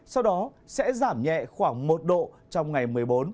sau đó sẽ giảm nhẹ khoảng một độ trong ngày một mươi bốn